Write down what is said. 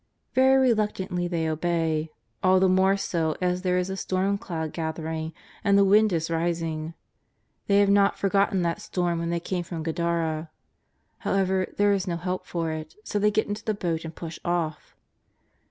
Very reluctantly they obey, all the more so as there is a storm cloud gathering and the wind is rising. They have not forgotten that storm when they came from Gadara. However, there is no help for it, so they get into the boat and push off.